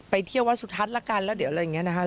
ไปเที่ยววัสดิ์ทัศน์แล้วกันแล้วเดี๋ยวอะไรอย่างนี้นะครับ